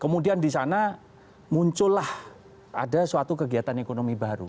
kemudian di sana muncullah ada suatu kegiatan ekonomi baru